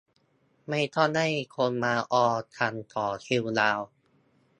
ไม่ต้องให้คนมาออกันต่อคิวยาว